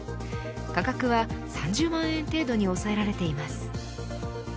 価格は３０万円程度に抑えられています。